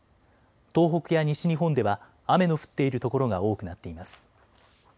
東北や西日本では雨の降っている所が多くなっています。